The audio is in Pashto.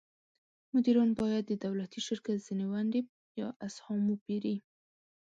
مدیران باید د دولتي شرکت ځینې ونډې یا اسهام وپیري.